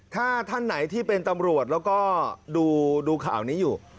ถ้าท่านไหนที่เป็นตำรวจแล้วก็ดูข่าวนี้อยู่